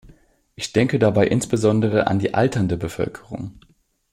Ich denke dabei insbesondere an die alternde Bevölkerung.